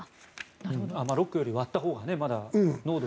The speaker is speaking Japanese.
ロックより割ったほうがまだ濃度は。